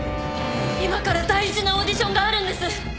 今から大事なオーディションがあるんです。